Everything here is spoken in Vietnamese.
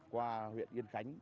qua huyện yên khánh